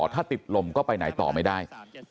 ถ้าติดลมก็ไปไหนต่อไม่ได้